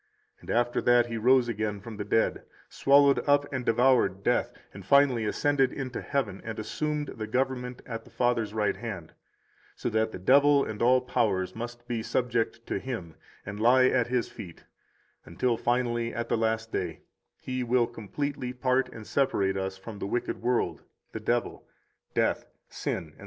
And after that He rose again from the dead, swallowed up and devoured death, and finally ascended into heaven and assumed the government at the Father's right hand, so that the devil and all powers must be subject to Him and lie at His feet, until finally, at the last day, He will completely part and separate us from the wicked world, the devil, death, sin, etc.